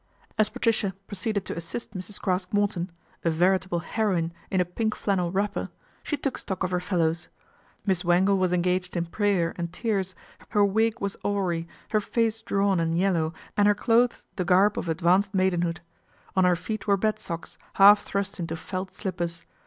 As Patricia proceeded to assist Mrs. Craske Morton, a veritable heroine in a pink flannel wrapper, she took stock of her fellows. Miss Wangle was engaged in prayer and tears, her wig was awry, her face drawn and yellow and her clothes the garb of advanced maidenhood. On her feet were bed socks, half thrust into felt slippers.